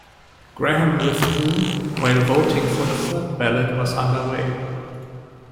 Graham withdrew while voting for the third ballot was underway.